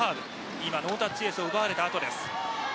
今、ノータッチエースを奪われた後です。